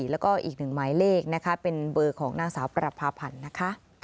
แล้วก็อีกหนึ่งหมายเลขนะคะเป็นเบอร์ของนางสาวประพาพันธ์นะคะ